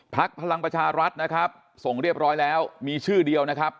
พลังประชารัฐนะครับส่งเรียบร้อยแล้วมีชื่อเดียวนะครับ